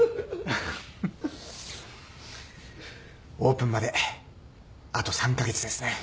オープンまであと３カ月ですね。